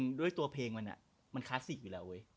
จริงด้วยตัวเพลงมันมันคลาสสิกอยู่แล้ว